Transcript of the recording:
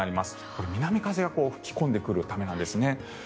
これ、南風が吹き込んでくるためなんですね。